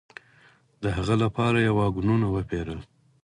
د هغه لپاره یې واګونونه وپېرل.